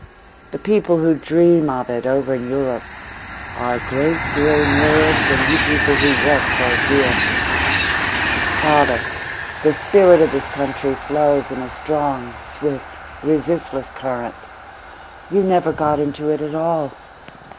The people who dream of it over in Europe are a great deal nearer it than you people who work for it here. Father, the spirit of this country flows in a strong, swift, resistless current. You never got into it at all.